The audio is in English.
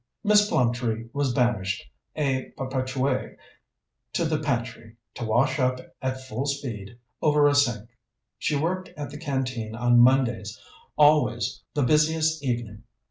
Miss Plumtree was banished à perpetuité to the pantry, to wash up at full speed over a sink. She worked at the Canteen on Mondays, always the busiest evening.